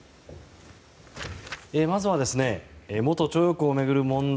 まずは元徴用工を巡る問題